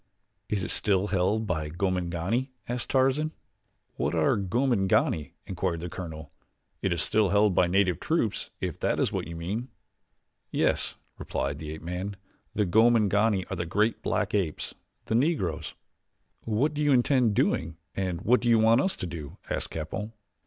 "Is it still held by Gomangani?" asked Tarzan. "What are Gomangani?" inquired the colonel. "It is still held by native troops, if that is what you mean." "Yes," replied the ape man, "the Gomangani are the great black apes the Negroes." "What do you intend doing and what do you want us to do?" asked Capell.